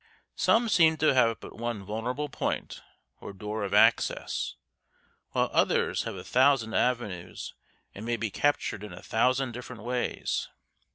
Some seem to have but one vulnerable point, or door of access, while otheres have a thousand avenues and may be captured in a thousand different ways.